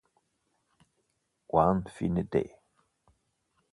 One Fine Day